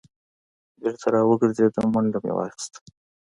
بېرته را وګرځېدم منډه مې واخیسته.